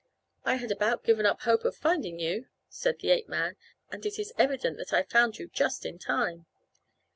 "I had about given up hope of finding you," said the ape man, "and it is evident that I found you just in time."